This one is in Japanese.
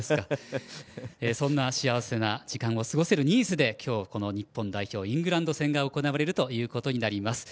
そんな幸せな時間を過ごせるニースで今日、日本代表イングランド戦が行われるということになります。